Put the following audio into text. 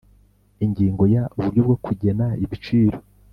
Ingingo ya Uburyo bwo kugena ibiciro